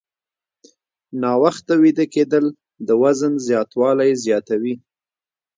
ناوخته ویده کېدل د وزن زیاتوالی زیاتوي.